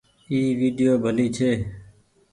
اي ويڊيو ڀلي ڇي۔